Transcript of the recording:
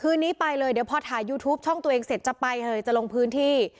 นี้ไปเลยเดี๋ยวพอถ่ายยูทูปช่องตัวเองเสร็จจะไปเลยจะลงพื้นที่